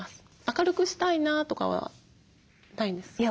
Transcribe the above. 明るくしたいなとかはないんですか？